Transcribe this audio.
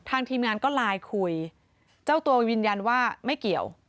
ทีมงานก็ไลน์คุยเจ้าตัวยืนยันว่าไม่เกี่ยว